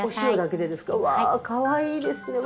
うわかわいいですね。